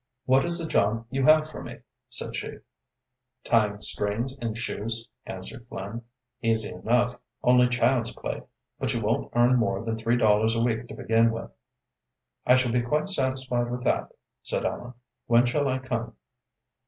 "What is the job you have for me?" said she. "Tying strings in shoes," answered Flynn. "Easy enough, only child's play, but you won't earn more than three dollars a week to begin with." "I shall be quite satisfied with that," said Ellen. "When shall I come?"